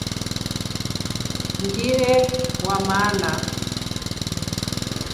Ngine waama.